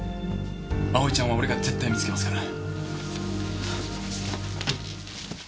蒼ちゃんは俺が絶対見つけますから。